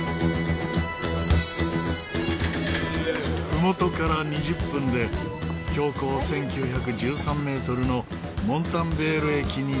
ふもとから２０分で標高１９１３メートルのモンタンヴェール駅に到着。